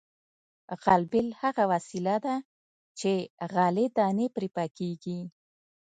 غلبېل هغه وسیله ده چې غلې دانې پرې پاکیږي